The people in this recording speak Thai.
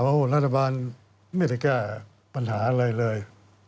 รัฐบาลไม่ได้แก้ปัญหาอะไรเลย